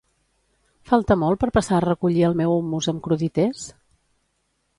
Falta molt per passar a recollir el meu hummus amb crudités?